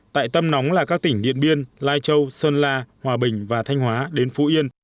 tại tâm nóng là các tỉnh điện biên lai châu sơn la hòa bình và thanh hóa đến phú yên